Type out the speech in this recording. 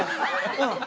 うん。